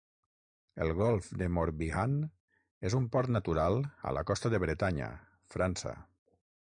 El Golf de Morbihan és un port natural a la costa de Bretanya, França.